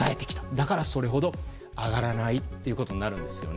だから、それほど上がらないということになるんです。